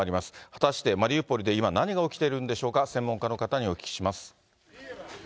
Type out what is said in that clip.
果たして、マリウポリで今、何が起きているんでしょうか、専門家の方にお聞きします。